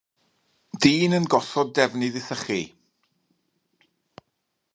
Dyn yn gosod defnydd i sychu.